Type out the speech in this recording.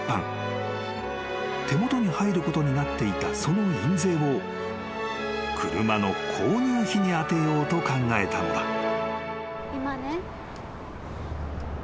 ［手元に入ることになっていたその印税を車の購入費に充てようと考えたのだ］